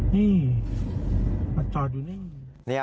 นี่มาจอดอยู่นิ่ง